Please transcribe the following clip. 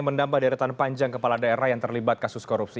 mendambah deretan panjang kepala daerah yang terlibat kasus korupsi